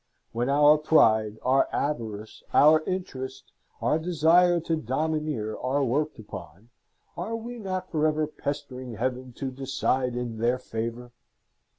When our pride, our avarice, our interest, our desire to domineer, are worked upon, are we not for ever pestering Heaven to decide in their favour?